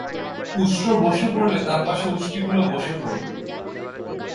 উষ্ট্র বসে পড়লে তার পাশে উষ্ট্রীগুলো বসে পড়ল।